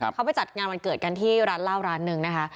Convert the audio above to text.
เขาไปจัดงานวันเกิดกันที่ร้านเหล้าร้านหนึ่งนะคะ